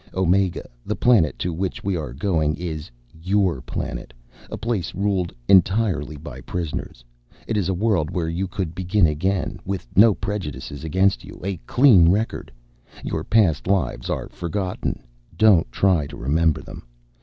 Omega, the planet to which we are going, is your planet, a place ruled entirely by prisoners. It is a world where you could begin again, with no prejudices against you, with a clean record! Your past lives are forgotten. Don't try to remember them.